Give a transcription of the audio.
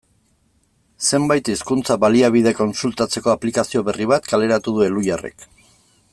Zenbait hizkuntza-baliabide kontsultatzeko aplikazio berri bat kaleratu du Elhuyarrek.